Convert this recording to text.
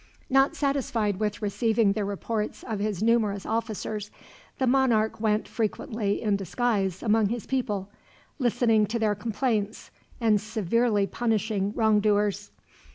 Not satisfied with receiving the reports of his numerous officers, the monarch went frequently in disguise among his people, listening to their complaints, and severely punishing wrongdoers.